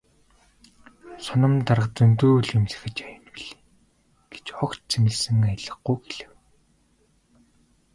"Соном дарга зөндөө л юм захиж байна билээ" гэж огт зэмлэсэн аялгагүй хэлэв.